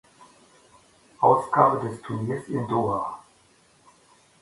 Ausgabe des Turniers in Doha.